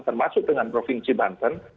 termasuk dengan provinsi banten